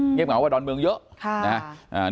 เหงากว่าดอนเมืองเยอะนะครับ